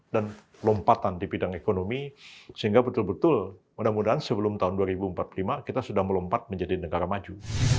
dan lompatan di bidang ekonomi sehingga betul betul mudah mudahan sebelum tahun dua ribu empat puluh lima kita sudah melompat menjadi negara maju